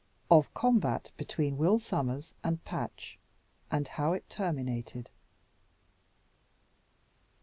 V. Of the Combat between Will Sommers and Patch And how it terminated.